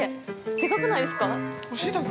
すごくないですか。